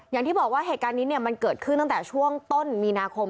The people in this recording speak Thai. อย่างที่บอกว่าเหตุการณ์นี้มันเกิดขึ้นตั้งแต่ช่วงต้นมีนาคม